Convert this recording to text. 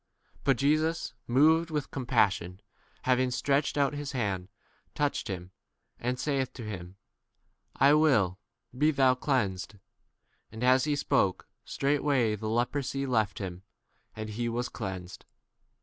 But Jesus, moved with com passion, having stretched out his hand, touched n him, and saith to 42 him, I will, be thou cleansed. And as he spoke, straightway the lepro sy left him, and he was cleansed.